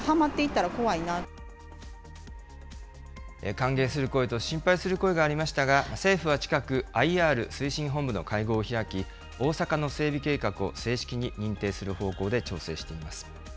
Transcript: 歓迎する声と心配する声がありましたが、政府は近く、ＩＲ推進本部の会合を開き、大阪の整備計画を正式に認定する方向で調整しています。